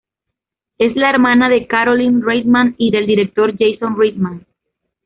Es la hermana de Caroline Reitman y del director Jason Reitman.